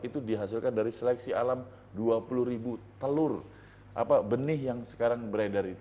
itu dihasilkan dari seleksi alam dua puluh ribu telur benih yang sekarang beredar itu